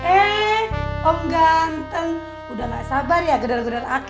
eh om ganteng udah gak sabar ya bener bener aku